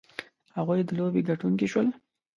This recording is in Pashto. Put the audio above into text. هغوی د لوبې ګټونکي شول.